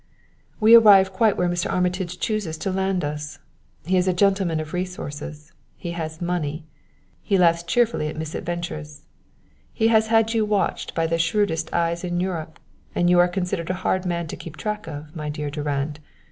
"We arrive quite where Mr. Armitage chooses to land us. He is a gentleman of resources; he has money; he laughs cheerfully at misadventures; he has had you watched by the shrewdest eyes in Europe, and you are considered a hard man to keep track of, my dear Durand.